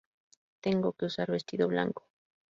Tengo que usar vestido blanco...